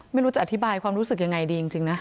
ไม่รู้จะอธิบายความรู้สึกยังไงดีจริงนะ